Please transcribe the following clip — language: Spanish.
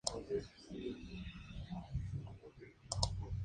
El sencillo no contó con video musical.